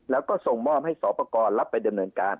แล้วก็ส่งมอบให้สอบประกอบรับไปดำเนินการ